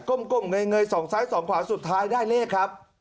ก้มเงยส่องซ้ายส่องขวาสุดท้ายได้เลขครับ